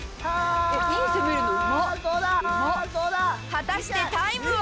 果たしてタイムは？